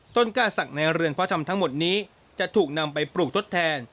ก้าศักดิ์ในเรือนพระชำทั้งหมดนี้จะถูกนำไปปลูกทดแทน